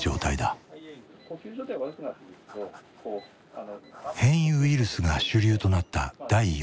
変異ウイルスが主流となった第４波。